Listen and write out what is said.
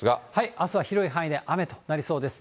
あすは広い範囲で雨となりそうです。